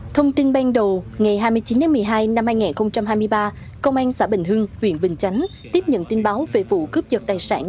thông tin ban đầu ngày hai mươi chín một mươi hai năm hai nghìn hai mươi ba công an xã bình hưng huyện bình chánh tiếp nhận tin báo về vụ cướp dật tài sản